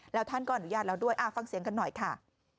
แล้วท่านก็อนุญาตแล้วด้วยฟังเสียงกันหน่อยค่ะ